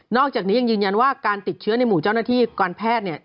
อกจากนี้ยังยืนยันว่าการติดเชื้อในหมู่เจ้าหน้าที่การแพทย์เนี่ย